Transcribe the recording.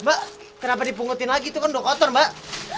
mbak kenapa dipungutin lagi itu kan udah kotor mbak